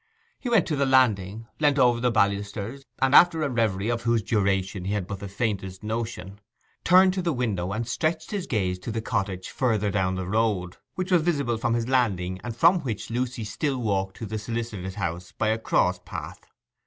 He went to the landing, leant over the balusters, and after a reverie, of whose duration he had but the faintest notion, turned to the window and stretched his gaze to the cottage further down the road, which was visible from his landing, and from which Lucy still walked to the solicitor's house by a cross path.